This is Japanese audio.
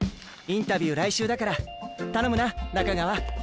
インタビュー来週だから頼むな中川。